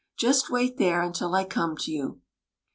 " Just wait there until I come to you."